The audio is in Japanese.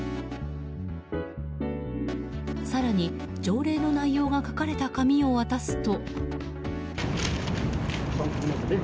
更に、条例の内容が書かれた紙を渡すと。